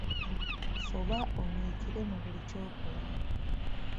Fuba onyikiire mu buli ky’okola.